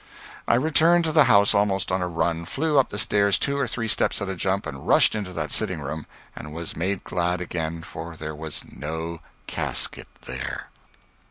I returned to the house almost on a run, flew up the stairs two or three steps at a jump, and rushed into that sitting room and was made glad again, for there was no casket there.